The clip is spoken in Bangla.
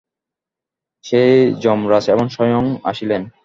সেই যমরাজ এখন স্বয়ং আসিলেন।